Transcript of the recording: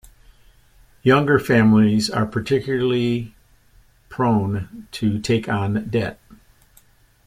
Younger families are particularly prone to take on debt.